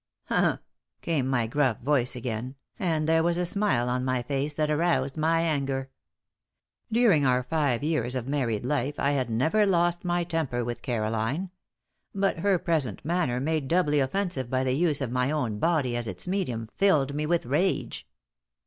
"H'm," came my gruff voice again, and there was a smile on my face that aroused my anger. During our five years of married life I had never lost my temper with Caroline. But her present manner, made doubly offensive by the use of my own body as its medium, filled me with rage.